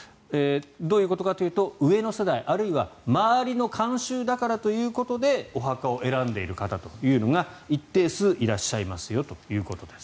どういうことかというと上の世代、あるいは周りの慣習だからということでお墓を選んでいる方というのが一定数いらっしゃいますよということです。